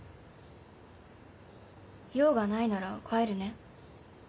用がないなら帰るね。